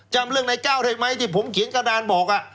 จำเรื่องในก้าวได้ไหมที่ผมเขียนกระดานบอก